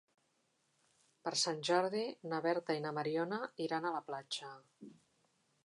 Per Sant Jordi na Berta i na Mariona iran a la platja.